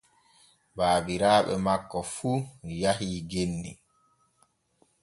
Baabiraaɓe makko fu yahii genni.